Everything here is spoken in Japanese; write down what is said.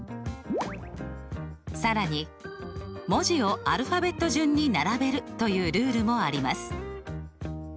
更に「文字をアルファベット順に並べる」というルールもあります。